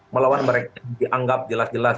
melawan mereka yang dianggap jelas jelas